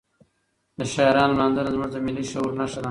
د شاعرانو لمانځنه زموږ د ملي شعور نښه ده.